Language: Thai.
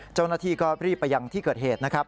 เจ้าหน้าที่ก็รีบไปยังที่เกิดเหตุนะครับ